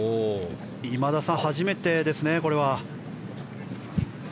今田さん、初めてですね。